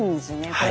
はい。